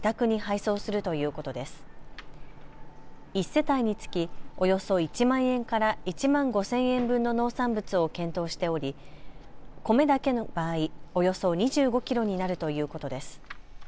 １世帯につきおよそ１万円から１万５０００円分の農産物を検討しており米だけの場合、およそ２５キロになるということです。